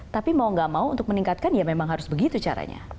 tapi mau gak mau untuk meningkatkan ya memang harus begitu caranya